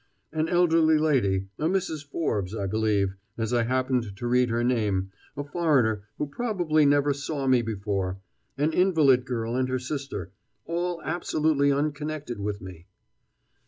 "An elderly lady, a Mrs. Forbes, I believe, as I happened to read her name, a foreigner who probably never saw me before, an invalid girl and her sister all absolutely unconnected with me."